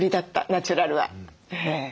ナチュラルは。